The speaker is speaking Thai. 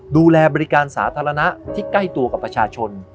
ดูแลบริการสาธารณะที่ใกล้ตัวกับประชาชน